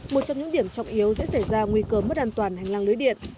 một trong những điểm trọng yếu sẽ xảy ra nguy cơ mất an toàn hành lang lưới điện